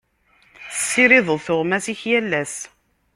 Tessirideḍ tuɣmas-ik yal ass.